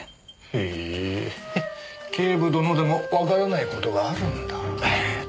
へえ警部殿でもわからない事があるんだ。